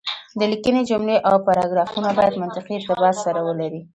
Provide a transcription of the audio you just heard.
د ليکنې جملې او پاراګرافونه بايد منطقي ارتباط سره ولري.